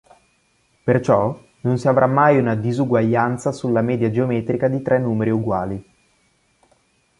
Perciò, non si avrà mai una disuguaglianza sulla media geometrica di tre numeri uguali.